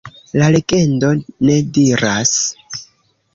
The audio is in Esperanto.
La legendo ne diras.